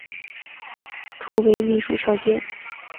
初为秘书少监。